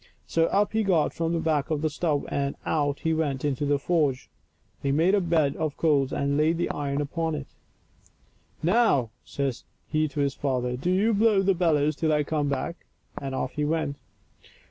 So up he got from back of the stove, and out he went into the forge. He made a bed of coals and laid the iron upon it. Now," says he to his father, " do you blow the bellov.i till I come back," and off he went.